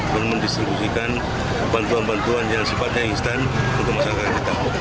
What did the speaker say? dan mendistribusikan bantuan bantuan yang sifatnya instan untuk masyarakat kita